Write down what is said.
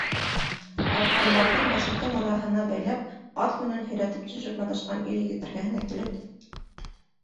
Арҡандарҙы мәсеттең манараһына бәйләп, ат менән һөйрәттереп төшөрөп маташҡан ир-егет эргәһенә килеп: